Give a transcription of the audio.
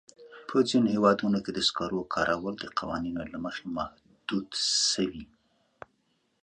په ځینو هېوادونو کې د سکرو کارول د قوانینو له مخې محدود شوي.